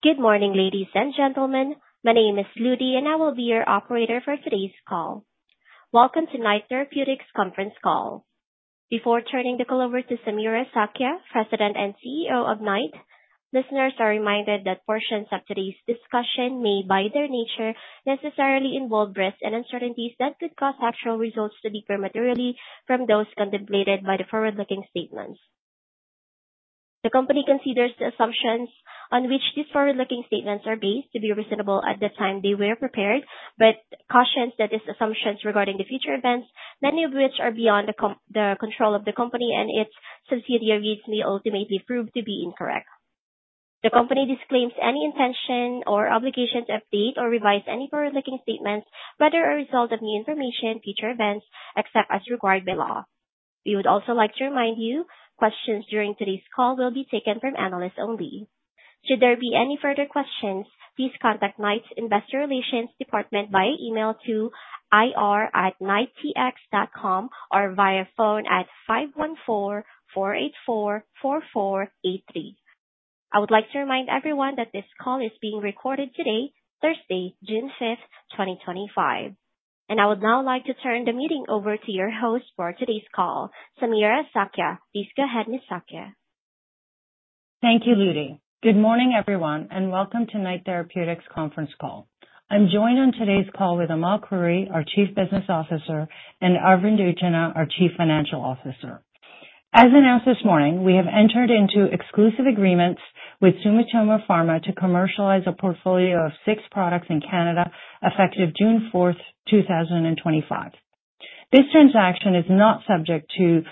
Good morning, ladies and gentlemen. My name is Ludi, and I will be your operator for today's call. Welcome to Knight Therapeutics' Conference Call. Before turning the call over to Samira Sakhia, President and CEO of Knight, listeners are reminded that portions of today's discussion may, by their nature, necessarily involve risks and uncertainties that could cause actual results to be materially different from those contemplated by the forward-looking statements. The company considers the assumptions on which these forward-looking statements are based to be reasonable at the time they were prepared, but cautions that these assumptions regarding the future events, many of which are beyond the control of the company and its subsidiaries, may ultimately prove to be incorrect. The company disclaims any intention or obligation to update or revise any forward-looking statements as a result of new information or future events, except as required by law. We would also like to remind you questions during today's call will be taken from analysts only. Should there be any further questions, please contact Knight's Investor Relations Department by email to ir@knightx.com or via phone at 514-484-4483. I would like to remind everyone that this call is being recorded today, Thursday, June 5th, 2025. I would now like to turn the meeting over to your host for today's call, Samira Sakhia. Please go ahead, Ms. Sakhia. Thank you, Ludi. Good morning, everyone, and welcome to Knight Therapeutics' Conference Call. I'm joined on today's call with Amal Khouri, our Chief Business Officer, and Arvind Utchanah, our Chief Financial Officer. As announced this morning, we have entered into exclusive agreements with Sumitomo Pharma to commercialize a portfolio of six products in Canada effective June 4, 2025. This transaction is not subject to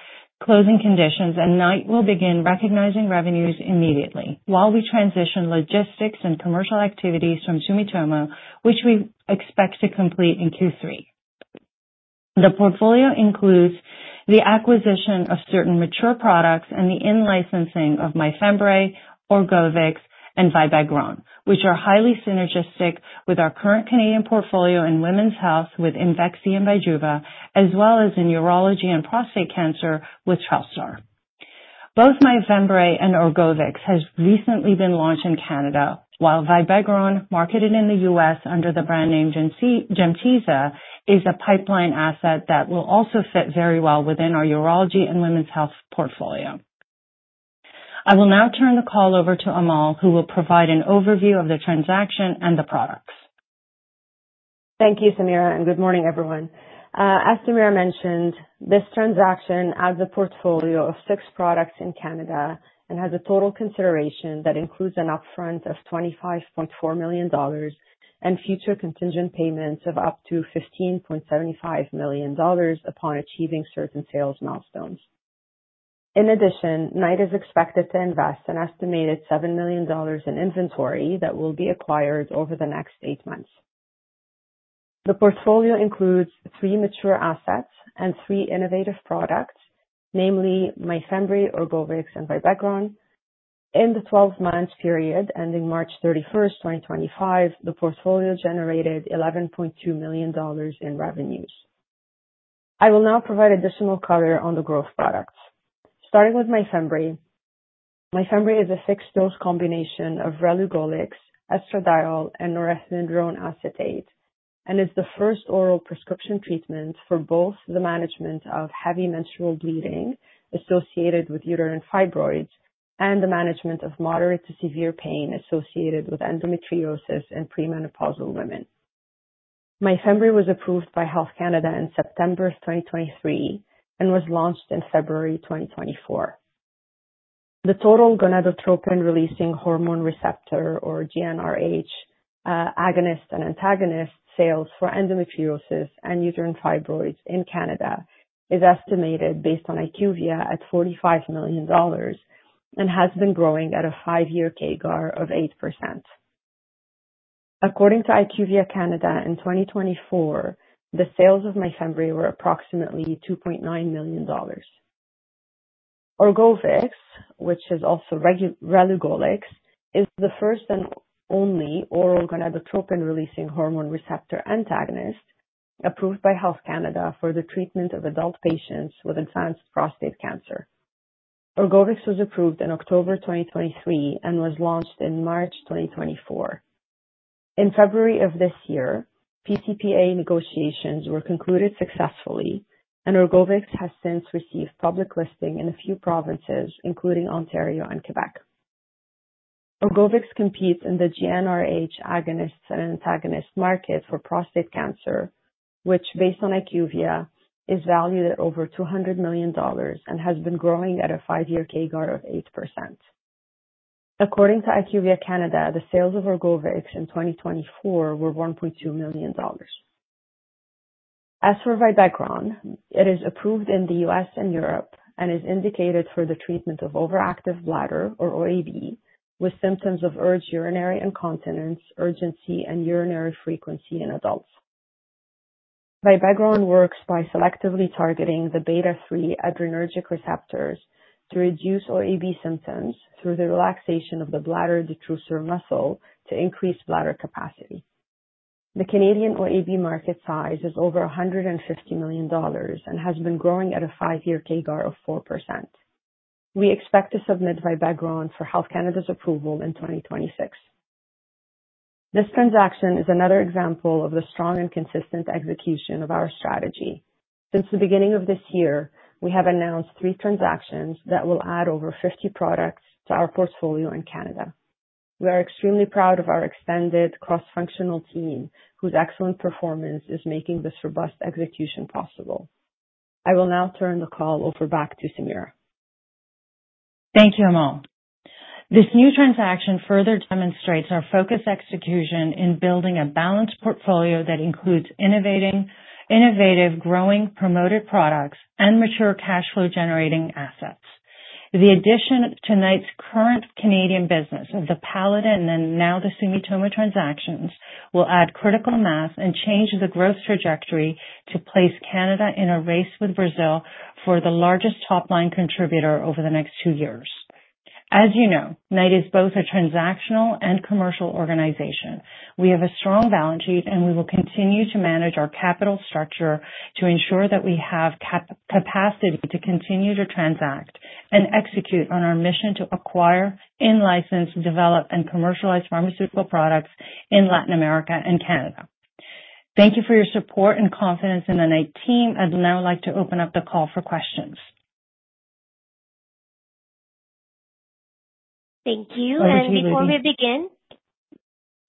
closing conditions, and Knight will begin recognizing revenues immediately while we transition logistics and commercial activities from Sumitomo, which we expect to complete in Q3. The portfolio includes the acquisition of certain mature products and the in-licensing of MYFEMBREE, ORGOVYX, and Vibegron, which are highly synergistic with our current Canadian portfolio in Women's Health with Visanne and Vejuva, as well as in Urology and Prostate Cancer with TRELSTAR. Both MYFEMBREE and ORGOVYX have recently been launched in Canada, while Vibegron, marketed in the U.S. under the brand name GEMTESA, is a pipeline asset that will also fit very well within our Urology and Women's Health portfolio. I will now turn the call over to Amal, who will provide an overview of the transaction and the products. Thank you, Samira, and good morning, everyone. As Samira mentioned, this transaction adds a portfolio of six products in Canada and has a total consideration that includes an upfront of 25.4 million dollars and future contingent payments of up to 15.75 million dollars upon achieving certain sales milestones. In addition, Knight is expected to invest an estimated 7 million dollars in inventory that will be acquired over the next eight months. The portfolio includes three mature assets and three innovative products, namely MYFEMBREE, ORGOVYX, and Vibegron. In the 12-month period ending March 31, 2025, the portfolio generated 11.2 million dollars in revenues. I will now provide additional color on the growth products. Starting with MYFEMBREE, MYFEMBREE is a fixed-dose combination of relugolix, estradiol, and norethindrone acetate, and is the first oral prescription treatment for both the management of heavy menstrual bleeding associated with uterine fibroids and the management of moderate to severe pain associated with endometriosis in premenopausal women. MYFEMBREE was approved by Health Canada in September 2023 and was launched in February 2024. The total Gonadotropin-releasing Hormone receptor, or GnRH, agonist and antagonist sales for endometriosis and uterine fibroids in Canada is estimated, based on IQVIA, at 45 million dollars and has been growing at a five-year CAGR of 8%. According to IQVIA Canada, in 2024, the sales of MYFEMBREE were approximately $2.9 million. ORGOVYX, which is also Relugolix, is the first and only oral Gonadotropin-releasing Hormone receptor antagonist approved by Health Canada for the treatment of adult patients with advanced prostate cancer. ORGOVYX was approved in October 2023 and was launched in March 2024. In February of this year, PCPA negotiations were concluded successfully, and ORGOVYX has since received public listing in a few provinces, including Ontario and Quebec. ORGOVYX competes in the GnRH agonist and antagonist market for prostate cancer, which, based on IQVIA, is valued at over $200 million and has been growing at a five-year CAGR of 8%. According to IQVIA Canada, the sales of ORGOVYX in 2024 were $1.2 million. As for Vibegron, it is approved in the U.S. and Europe and is indicated for the treatment of overactive bladder, or OAB, with symptoms of urge urinary incontinence, urgency, and urinary frequency in adults. Vibegron works by selectively targeting the Beta-3 adrenergic receptors to reduce OAB symptoms through the relaxation of the bladder detrusor muscle to increase bladder capacity. The Canadian OAB market size is over $150 million and has been growing at a five-year CAGR of 4%. We expect to submit Vibegron for Health Canada's approval in 2026. This transaction is another example of the strong and consistent execution of our strategy. Since the beginning of this year, we have announced three transactions that will add over 50 products to our portfolio in Canada. We are extremely proud of our extended cross-functional team, whose excellent performance is making this robust execution possible. I will now turn the call over back to Samira. Thank you, Amal. This new transaction further demonstrates our focused execution in building a balanced portfolio that includes innovative, growing, promoted products, and mature cash-flow-generating assets. The addition to Knight's current Canadian Business of the Paladin and now the Sumitomo transactions will add critical mass and change the growth trajectory to place Canada in a race with Brazil for the largest top-line contributor over the next two years. As you know, Knight is both a transactional and commercial organization. We have a strong balance sheet, and we will continue to manage our capital structure to ensure that we have capacity to continue to transact and execute on our mission to acquire, in-license, develop, and commercialize pharmaceutical products in Latin America and Canada. Thank you for your support and confidence in the Knight team. I'd now like to open up the call for questions. Thank you. Before we begin—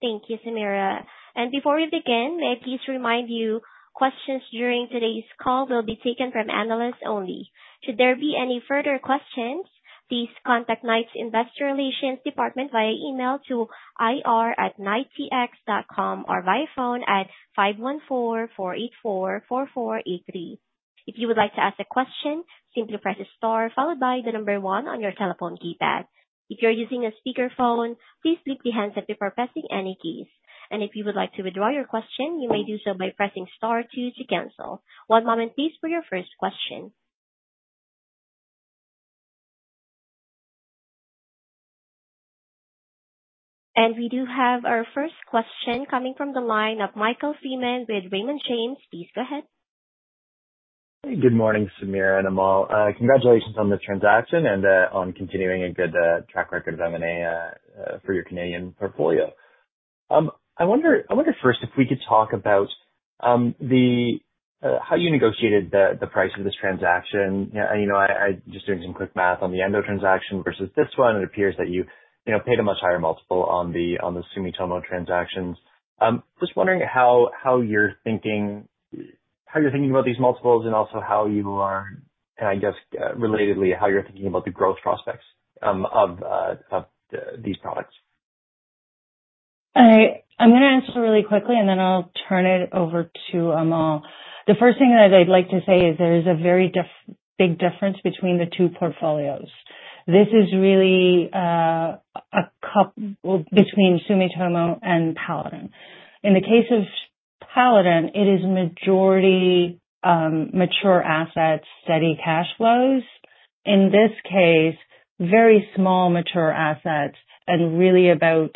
Thank you, Samira. Thank you, Samira. Before we begin, may I please remind you questions during today's call will be taken from analysts only. Should there be any further questions, please contact Knight's Investor Relations Department via email to ir@knightx.com or by phone at 514-484-4483. If you would like to ask a question, simply press star followed by the number one on your telephone keypad. If you're using a speakerphone, please flip the handset to the person in any case. If you would like to withdraw your question, you may do so by pressing star two to cancel. One moment, please, for your first question. We do have our first question coming from the line of Michael Freeman with Raymond James. Please go ahead. Good morning, Samira and Amal. Congratulations on the transaction and on continuing a good track record of M&A for your Canadian portfolio. I wonder first if we could talk about how you negotiated the price of this transaction. I'm just doing some quick math on the end of the transaction versus this one. It appears that you paid a much higher multiple on the Sumitomo transactions. Just wondering how you're thinking about these multiples and also how you are, I guess, relatedly, how you're thinking about the growth prospects of these products. I'm going to answer really quickly, and then I'll turn it over to Amal. The first thing that I'd like to say is there is a very big difference between the two portfolios. This is really a couple between Sumitomo and Paladin. In the case of Paladin, it is majority mature assets, steady cash flows. In this case, very small mature assets and really about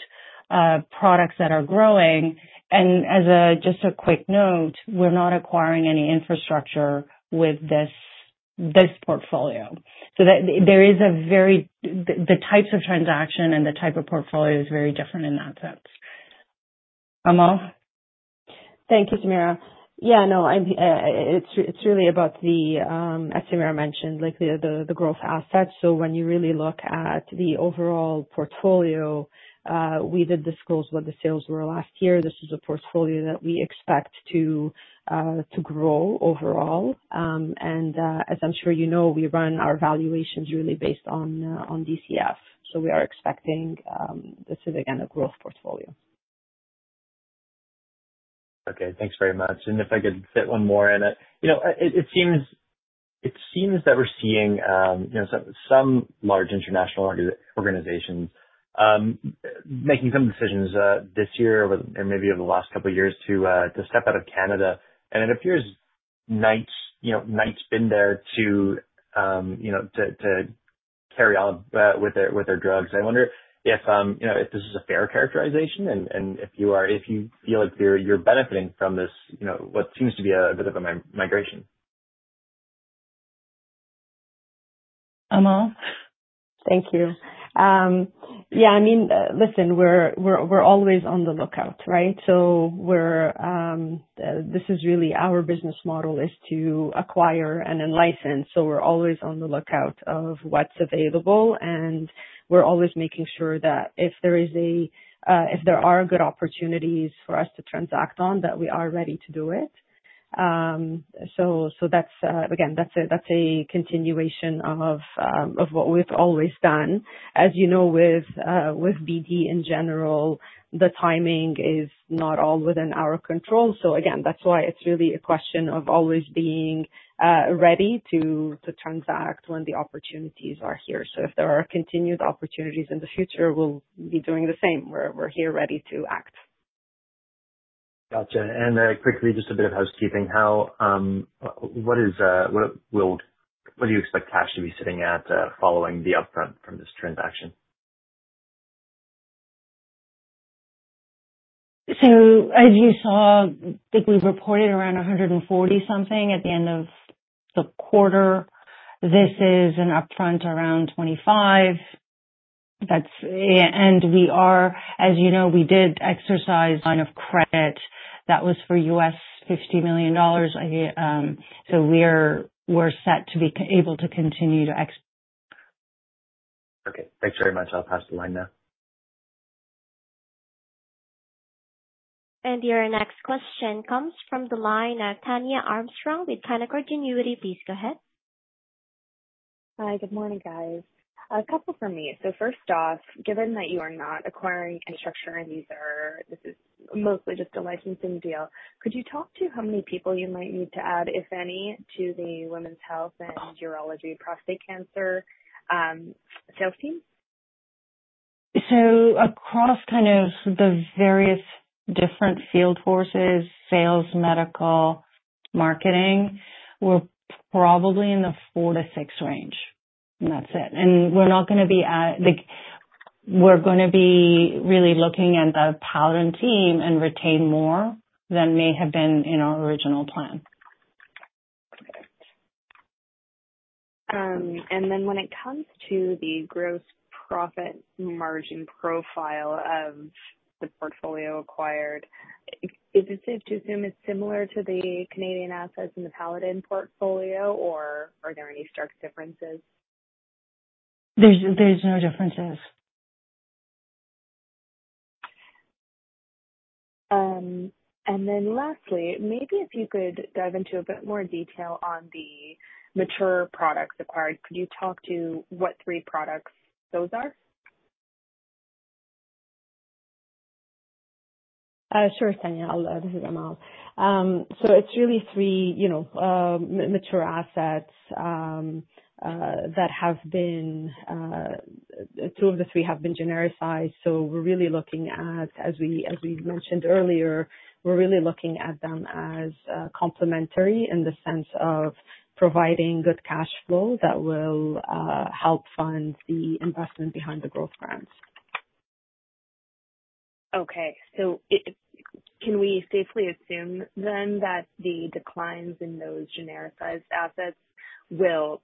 products that are growing. And as just a quick note, we're not acquiring any infrastructure with this portfolio. There is a very—the types of transaction and the type of portfolio is very different in that sense. Amal? Thank you, Samira. Yeah, no, it's really about the, as Samira mentioned, likely the growth assets. When you really look at the overall portfolio, we did disclose what the sales were last year. This is a portfolio that we expect to grow overall. As I'm sure you know, we run our valuations really based on DCF. We are expecting this is, again, a growth portfolio. Okay. Thanks very much. If I could fit one more in, it seems that we're seeing some large international organizations making some decisions this year or maybe over the last couple of years to step out of Canada. It appears Knight's been there to carry on with their drugs. I wonder if this is a fair characterization and if you feel like you're benefiting from this, what seems to be a bit of a migration. Amal? Thank you. Yeah, I mean, listen, we're always on the lookout, right? This is really our business model is to acquire and in-license. We're always on the lookout of what's available, and we're always making sure that if there are good opportunities for us to transact on, that we are ready to do it. Again, that's a continuation of what we've always done. As you know, with BD in general, the timing is not all within our control. Again, that's why it's really a question of always being ready to transact when the opportunities are here. If there are continued opportunities in the future, we'll be doing the same. We're here ready to act. Gotcha. And quickly, just a bit of housekeeping. What do you expect cash to be sitting at following the upfront from this transaction? As you saw, I think we reported around 140-something at the end of the quarter. This is an upfront around 25. As you know, we did exercise a line of credit that was for $50 million. We are set to be able to continue to export. Okay. Thanks very much. I'll pass the line now. Your next question comes from the line of Tania Armstrong with Canaccord Genuity. Please go ahead. Hi, good morning, guys. A couple for me. First off, given that you are not acquiring any structure in these, this is mostly just a licensing deal, could you talk to how many people you might need to add, if any, to the women's health and urology prostate cancer sales team? Across kind of the various different field forces, sales, medical, marketing, we're probably in the four to six range. That is it. We're not going to be—we're going to be really looking at the Paladin team and retain more than may have been in our original plan. When it comes to the gross profit margin profile of the portfolio acquired, is it safe to assume it's similar to the Canadian assets in the Paladin portfolio, or are there any stark differences? There's no differences. Lastly, maybe if you could dive into a bit more detail on the mature products acquired, could you talk to what three products those are? Sure, Tanya. This is Amal. It is really three mature assets that have been—two of the three have been genericized. We are really looking at, as we mentioned earlier, we are really looking at them as complementary in the sense of providing good cash flow that will help fund the investment behind the growth grants. Okay. So can we safely assume then that the declines in those genericized assets will,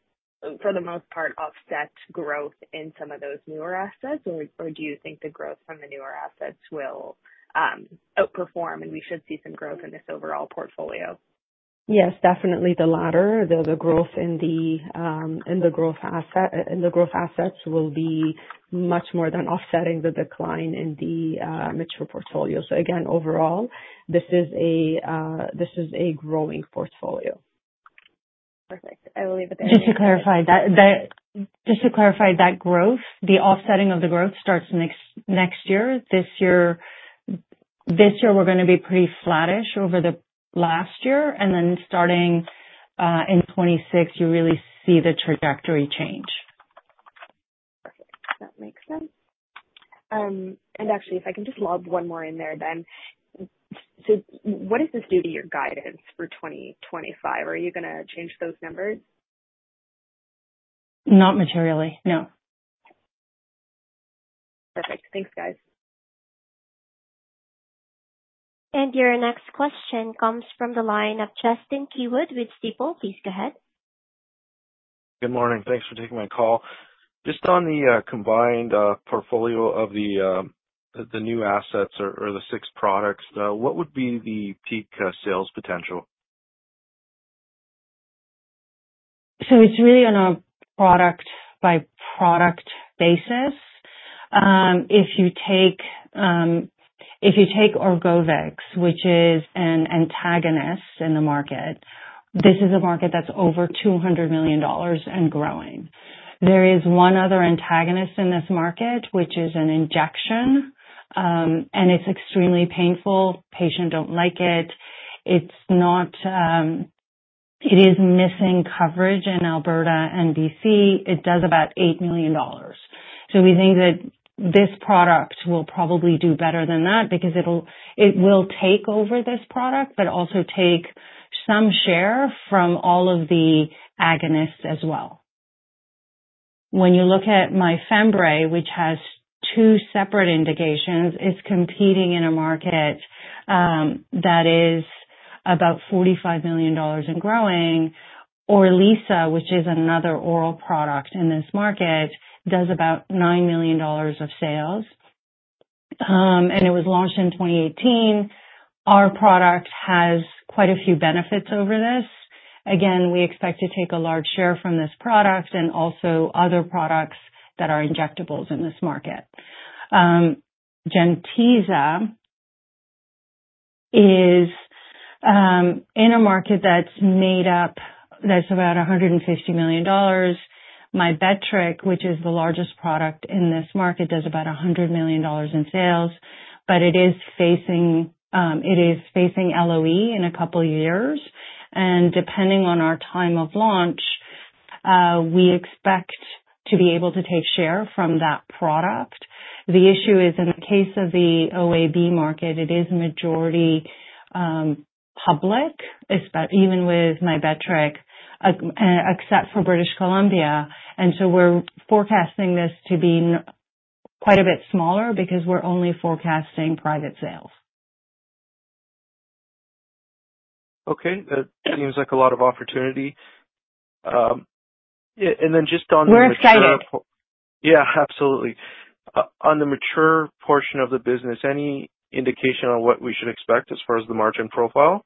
for the most part, offset growth in some of those newer assets, or do you think the growth from the newer assets will outperform and we should see some growth in this overall portfolio? Yes, definitely the latter. The growth in the growth assets will be much more than offsetting the decline in the mature portfolio. Again, overall, this is a growing portfolio. Perfect. I will leave it there. Just to clarify that growth, the offsetting of the growth starts next year. This year, we're going to be pretty flattish over the last year. And then starting in 2026, you really see the trajectory change. Perfect. That makes sense. Actually, if I can just log one more in there then. What does this do to your guidance for 2025? Are you going to change those numbers? Not materially. No. Perfect. Thanks, guys. Your next question comes from the line of Justin Keywood with Stifel. Please go ahead. Good morning. Thanks for taking my call. Just on the combined portfolio of the new assets or the six products, what would be the peak sales potential? It's really on a product-by-product basis. If you take ORGOVYX, which is an antagonist in the market, this is a market that's over $200 million and growing. There is one other antagonist in this market, which is an injection, and it's extremely painful. Patients don't like it. It is missing coverage in Alberta and British Columbia. It does about $8 million. We think that this product will probably do better than that because it will take over this product, but also take some share from all of the agonists as well. When you look at MYFEMBREE, which has two separate indications, it's competing in a market that is about $45 million and growing. Orilissa, which is another oral product in this market, does about $9 million of sales. It was launched in 2018. Our product has quite a few benefits over this. Again, we expect to take a large share from this product and also other products that are injectables in this market. GEMTESA is in a market that's made up that's about $150 million. Mybetriq, which is the largest product in this market, does about $100 million in sales, but it is facing LOE in a couple of years. Depending on our time of launch, we expect to be able to take share from that product. The issue is in the case of the OAB market, it is majority public, even with Mybetriq, except for British Columbia. We are forecasting this to be quite a bit smaller because we're only forecasting private sales. Okay. That seems like a lot of opportunity. And then just on the mature. We're excited. Yeah, absolutely. On the mature portion of the business, any indication on what we should expect as far as the margin profile?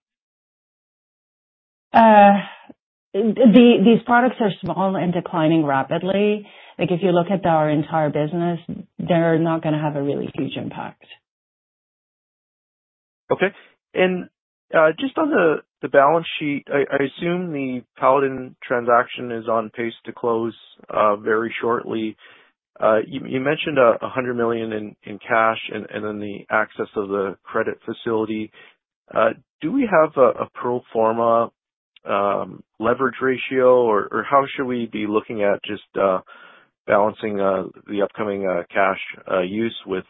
These products are small and declining rapidly. If you look at our entire business, they're not going to have a really huge impact. Okay. Just on the balance sheet, I assume the Paladin transaction is on pace to close very shortly. You mentioned 100 million in cash and then the access of the credit facility. Do we have a pro forma leverage ratio, or how should we be looking at just balancing the upcoming cash use with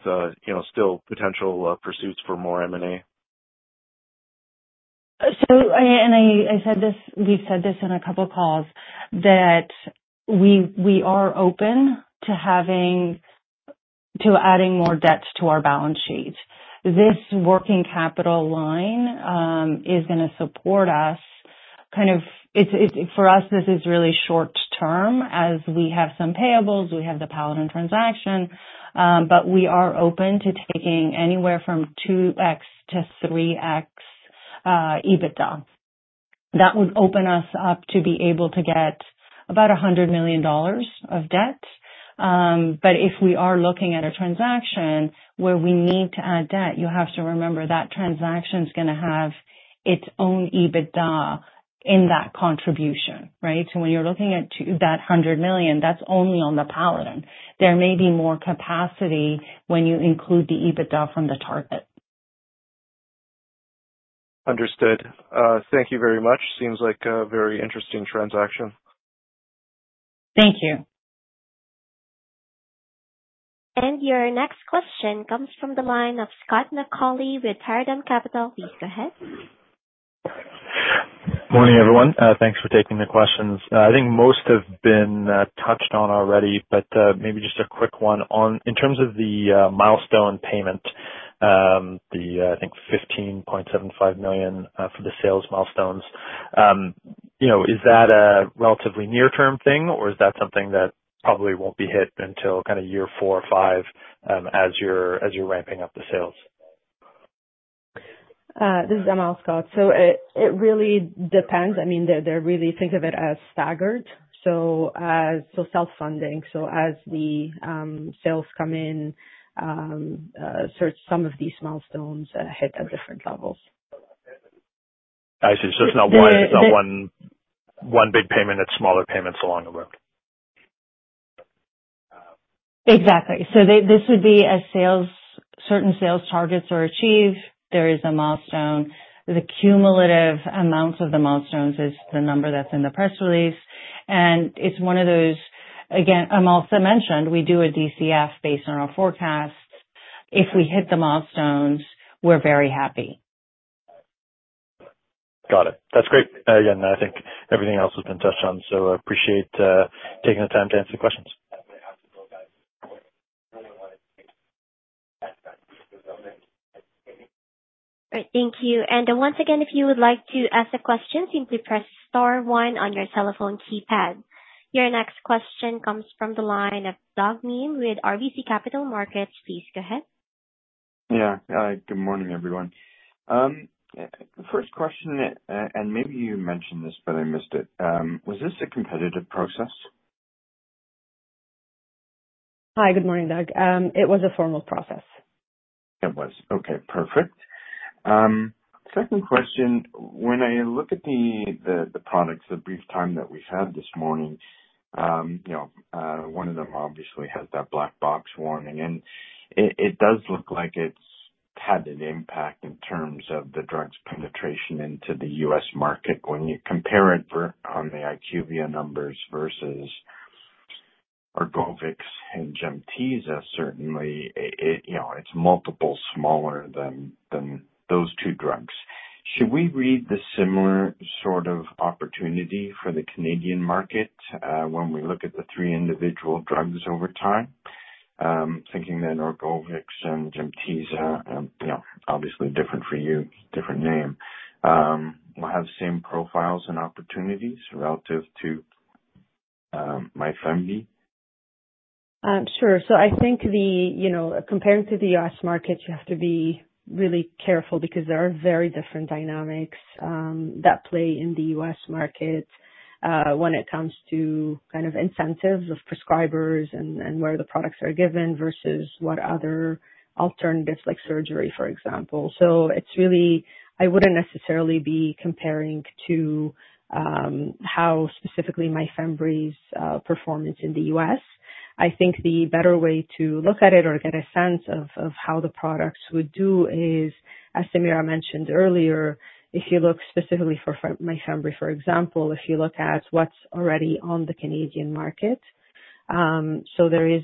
still potential pursuits for more M&A? I said this, we've said this in a couple of calls, that we are open to adding more debt to our balance sheet. This working capital line is going to support us. Kind of for us, this is really short-term as we have some payables. We have the Paladin transaction, but we are open to taking anywhere from 2X-3X EBITDA. That would open us up to be able to get about $100 million of debt. If we are looking at a transaction where we need to add debt, you have to remember that transaction is going to have its own EBITDA in that contribution, right? When you're looking at that 100 million, that's only on the Paladin. There may be more capacity when you include the EBITDA from the target. Understood. Thank you very much. Seems like a very interesting transaction. Thank you. Your next question comes from the line of Scott McAuley with Paradigm Capital. Please go ahead. Morning, everyone. Thanks for taking the questions. I think most have been touched on already, but maybe just a quick one in terms of the milestone payment, the, I think, 15.75 million for the sales milestones. Is that a relatively near-term thing, or is that something that probably will not be hit until kind of year four or five as you are ramping up the sales? This is Amal. Scott, it really depends. I mean, really think of it as staggered, so self-funding. As the sales come in, some of these milestones hit at different levels. I see. So it's not one big payment, it's smaller payments along the road. Exactly. This would be as certain sales targets are achieved, there is a milestone. The cumulative amounts of the milestones is the number that is in the press release. It is one of those, again, Amal mentioned, we do a DCF based on our forecast. If we hit the milestones, we are very happy. Got it. That's great. Again, I think everything else has been touched on, so I appreciate taking the time to answer the questions. All right. Thank you. If you would like to ask a question, simply press star one on your telephone keypad. Your next question comes from the line of Doug Miehm with RBC Capital Markets. Please go ahead. Yeah. Good morning, everyone. First question, and maybe you mentioned this, but I missed it. Was this a competitive process? Hi, good morning, Doug. It was a formal process. It was. Okay. Perfect. Second question, when I look at the products, the brief time that we've had this morning, one of them obviously has that black box warning. And it does look like it's had an impact in terms of the drug's penetration into the U.S. market. When you compare it on the IQVIA numbers versus ORGOVYX and GEMTESA, certainly, it's multiple smaller than those two drugs. Should we read the similar sort of opportunity for the Canadian market when we look at the three individual drugs over time? Thinking that ORGOVYX and GEMTESA, obviously different for you, different name, will have same profiles and opportunities relative to MYFEMBREE? Sure. I think comparing to the U.S. market, you have to be really careful because there are very different dynamics that play in the U.S. market when it comes to kind of incentives of prescribers and where the products are given versus what other alternatives like surgery, for example. I would not necessarily be comparing to how specifically MYFEMBREE's performance in the U.S. I think the better way to look at it or get a sense of how the products would do is, as Samira mentioned earlier, if you look specifically for MYFEMBREE, for example, if you look at what's already on the Canadian market. There is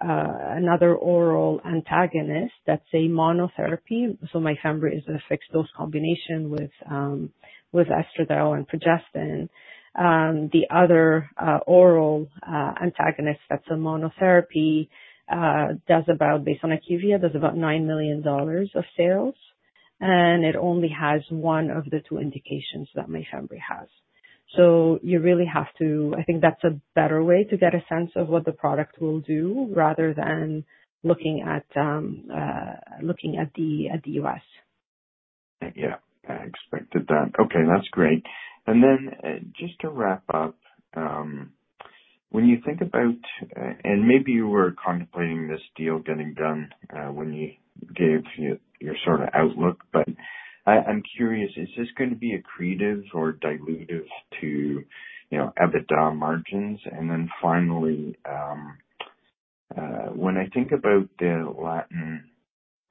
another oral antagonist that's a monotherapy. MYFEMBREE is a fixed dose combination with estradiol and progestin. The other oral antagonist that's a monotherapy based on IQVIA does about $9 million of sales, and it only has one of the two indications that MYFEMBREE has. You really have to, I think that's a better way to get a sense of what the product will do rather than looking at the U.S. Yeah. I expected that. Okay. That's great. Just to wrap up, when you think about, and maybe you were contemplating this deal getting done when you gave your sort of outlook, but I'm curious, is this going to be accretive or dilutive to EBITDA margins? Finally, when I think about the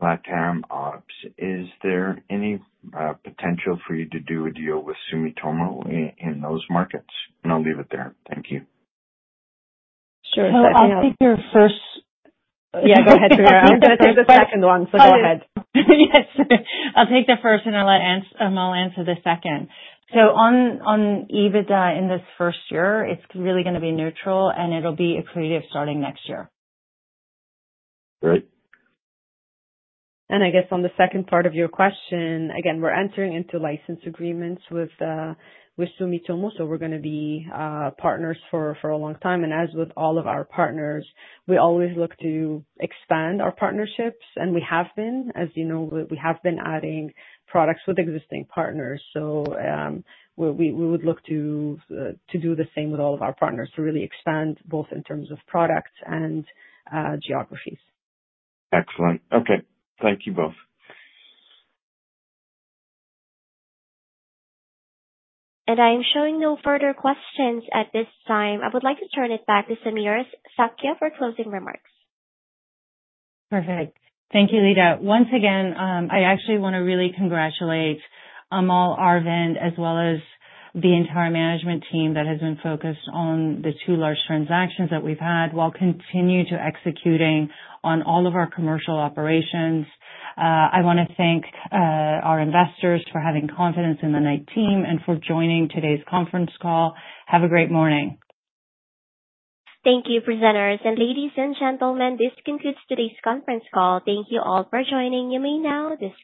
LATAM ops, is there any potential for you to do a deal with Sumitomo in those markets? I'll leave it there. Thank you. Sure. I'll take your first. Yeah. Go ahead. I'm going to take the second one, so go ahead. Yes. I'll take the first, and Amal answer the second. On EBITDA in this first year, it's really going to be neutral, and it'll be accretive starting next year. Great. I guess on the second part of your question, again, we're entering into license agreements with Sumitomo, so we're going to be partners for a long time. As with all of our partners, we always look to expand our partnerships, and we have been. As you know, we have been adding products with existing partners. We would look to do the same with all of our partners to really expand both in terms of products and geographies. Excellent. Okay. Thank you both. I am showing no further questions at this time. I would like to turn it back to Samira Sakhia for closing remarks. Perfect. Thank you, Ludi. Once again, I actually want to really congratulate Amal, Arvind, as well as the entire management team that has been focused on the two large transactions that we've had while continuing to execute on all of our commercial operations. I want to thank our investors for having confidence in the Knight team and for joining today's conference call. Have a great morning. Thank you, presenters. Ladies and gentlemen, this concludes today's conference call. Thank you all for joining. You may now disconnect.